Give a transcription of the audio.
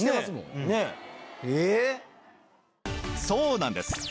そうなんです